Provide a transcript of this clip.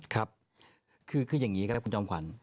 ครับคืออย่างนี้ก็ได้คุณจอมขวัญ